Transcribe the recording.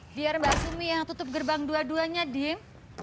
biar mbak sumi yang tutup gerbang dua duanya diem